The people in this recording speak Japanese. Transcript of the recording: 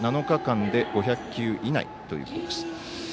７日間で５００球以内ということです。